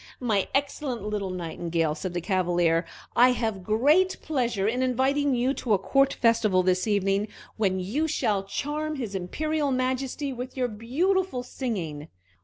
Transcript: "My excellent little Nightingale," said the Cavalier, "I have great pleasure in inviting you to a court festival this evening, when you shall charm his Imperial Majesty with your beautiful singing."